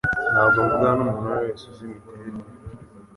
Ntabwo mvugana numuntu uwo ari we wese uzi imiterere.